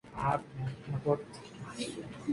Está gobernada por un Consejo Urbano.